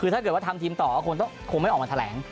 ถ้าทำทีมต่อคงไม่ออกมาแถลง